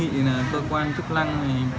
thì kiến nghị cơ quan chức lăng